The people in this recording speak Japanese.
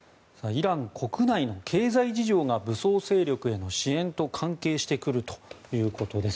イラン国内の経済事情が武装勢力への支援と関係してくるということです。